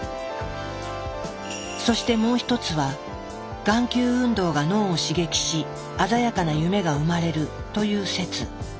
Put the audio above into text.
そしてもう一つは眼球運動が脳を刺激し鮮やかな夢が生まれるという説。